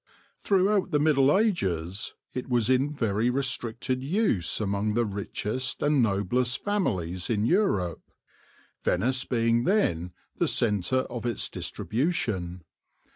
Throughout the THE ISLE OF HONEY 17 Middle Ages it was in very restricted use among the richest and noblest families in Europe, Venice being then the centre of its distribution.